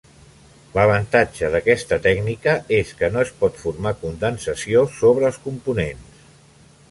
L'avantatge d'aquesta tècnica és que no es pot formar condensació sobre els components.